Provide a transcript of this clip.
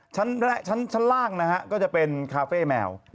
ชั้นล่างนะฮะก็จะเป็นคาเฟ่แมว